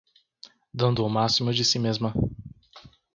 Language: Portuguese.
Dando o máximo de si mesma